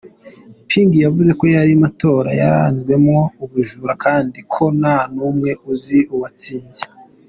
Ping yavuze ko ayo matora yaranzwemwo ubujura kandi ko “nta n’umwe uzi uwatsinze”.